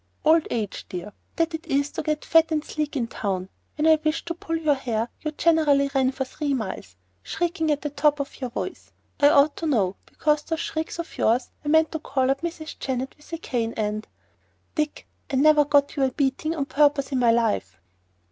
"Old age, dear. This it is to get fat and sleek in town. When I wished to pull your hair you generally ran for three miles, shrieking at the top of your voice. I ought to know, because those shrieks of yours were meant to call up Mrs. Jennett with a cane and——" "Dick, I never got you a beating on purpose in my life."